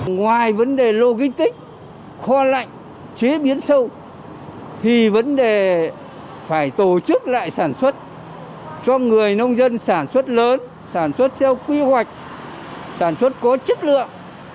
ngoài vấn đề logic kho lạnh chế biến sâu thì vấn đề phải tổ chức lại sản xuất cho người nông dân sản xuất lớn sản xuất theo quy hoạch sản xuất có chất lượng